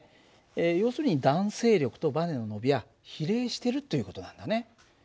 要するに弾性力とばねの伸びは比例してるという事なんだね。